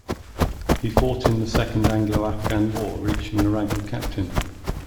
He fought in the Second Anglo-Afghan War, reaching the rank of captain.